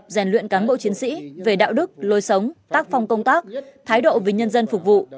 rèn luyện cán bộ chiến sĩ về đạo đức lối sống tác phong công tác thái độ vì nhân dân phục vụ